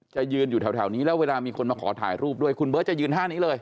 ยืนอยู่แถวนี้แล้วเวลามีคนมาขอถ่ายรูปด้วยคุณเบิร์ตจะยืนท่านี้เลย